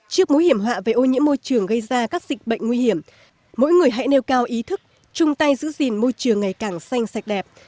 trước mối hiểm họa về ô nhiễm môi trường gây ra các dịch bệnh nguy hiểm mỗi người hãy nêu cao ý thức chung tay giữ gìn môi trường ngày càng xanh sạch đẹp